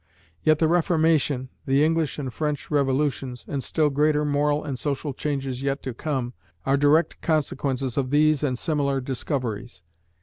Yet the Reformation, the English and French revolutions, and still greater moral and social changes yet to come, are direct consequences of these and similar discoveries.